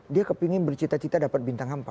dia kepengen bercita cita dapat bintang empat